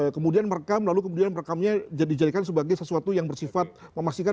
kemudian merekam lalu kemudian merekamnya dijadikan sebagai sesuatu yang bersifat memastikan